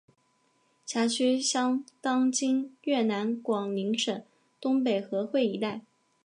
辖境相当今越南广宁省东北河桧一带。